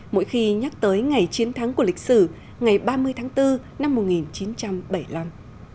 mỗi khi nhắc tới ngày chiến thắng của lịch sử ngày ba mươi tháng bốn năm một nghìn chín trăm bảy mươi năm